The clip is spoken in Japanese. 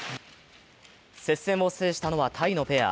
接戦を制したのは、タイのペア。